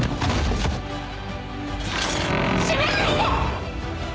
「閉めないで！」